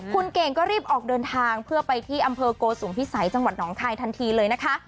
คุณเก่งก็รีบออกเดินทางเพื่อไปที่อำเภอโกสุมพิสัยจังหวัดหนองคายทันทีเลยนะคะ